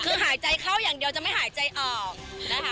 คือหายใจเข้าอย่างเดียวจะไม่หายใจออกนะคะ